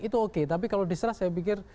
itu oke tapi kalau diserah saya pikir